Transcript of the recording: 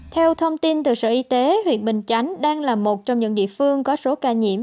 theo thông tin từ sở y tế huyện bình chánh đang là một trong những địa phương có số ca nhiễm